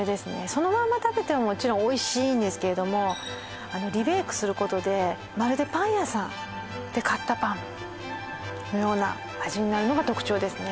そのまんま食べてももちろんおいしいんですけれどもリベイクすることでまるでパン屋さんで買ったパンのような味になるのが特徴ですね